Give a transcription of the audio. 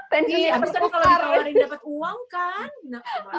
pensiunnya harusnya kalau ditawarin dapat uang kan